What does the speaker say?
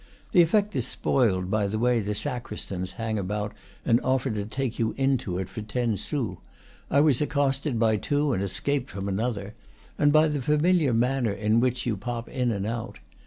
The effect is spoiled by the way the sacristans hang about and offer to take you into it for ten sous, I was accosted by two and escaped from another, and by the familiar manner in which you pop in and out.